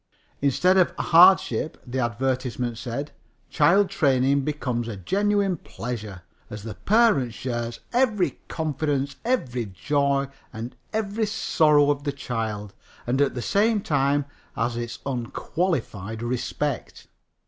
"Instead of a hardship," the advertisement said, "child training becomes a genuine pleasure, as the parent shares every confidence, every joy and every sorrow of the child, and at the same time has its unqualified respect.